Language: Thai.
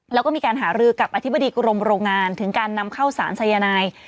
แล้วก็มีการหารือกับอธิบดีกรมโรงงานถึงการนำเข้าสารสายนาย